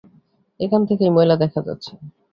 এখান থেকেই ময়লা দেখা যাচ্ছে।